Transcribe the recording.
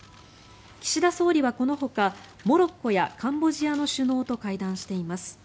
岸田総理はこのほかモロッコやカンボジアの首脳と会談しています。